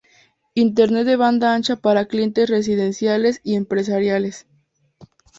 Internet de banda ancha para clientes residenciales y empresariales.